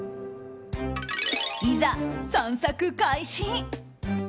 いざ散策開始！